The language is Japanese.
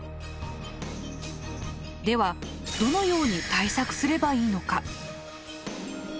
ではどのように対策すればいいのか？